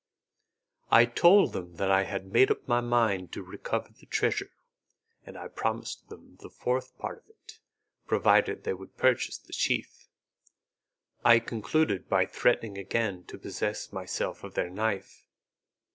I told them that I had made up my mind to recover the treasure, and I promised them the fourth part of it, provided they would purchase the sheath; I concluded by threatening again to possess myself of their knife.